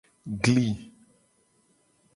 Gli.